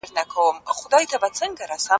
خلګو سياسي پوهه ترلاسه کړه او په بهير کي ورګډ سول.